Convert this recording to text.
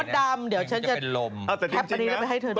ดำเดี๋ยวฉันจะเอาแคปอันนี้แล้วไปให้เธอด้วย